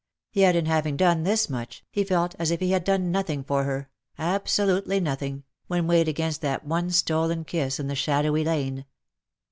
Yet, in having done this much, he felt as if he had done nothing for her — absolutely nothing — when weighed against that one stolen kiss in the shadowy lane.